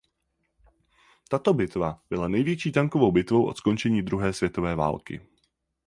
Tato bitva byla největší tankovou bitvou od skončení Druhé Světové války.